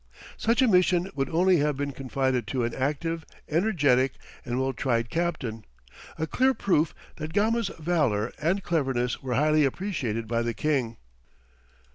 Such a mission would only have been confided to an active, energetic and well tried captain, a clear proof that Gama's valour and cleverness were highly appreciated by the king.